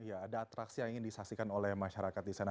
ya ada atraksi yang ingin disaksikan oleh masyarakat di sana